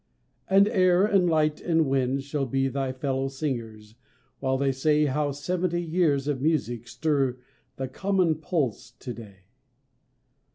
And air, and light, and wind, shall be Thy fellow singers, while they say How seventy years of music stir The common pulse to day.